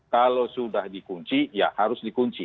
kalau sudah dikunci ya harus dikunci